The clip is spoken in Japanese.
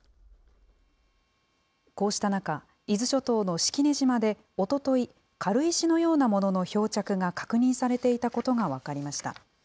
こうした中、伊豆諸島の式根島でおととい、軽石のようなものの漂着が確認されていたことが分かりました。